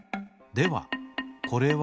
ではこれは？